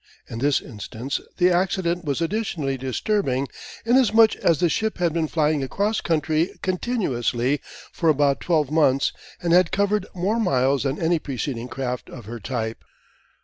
In this instance the accident was additionally disturbing, inasmuch as the ship had been flying across country continuously for about twelve months and had covered more miles than any preceding craft of her type.